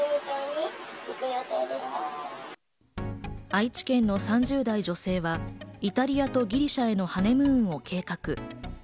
愛知県の３０代女性はイタリアとギリシャへのハネムーンを計画。